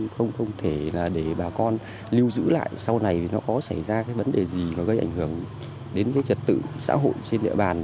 không thể để bà con lưu giữ lại sau này nó có xảy ra vấn đề gì gây ảnh hưởng đến trật tự xã hội trên địa bàn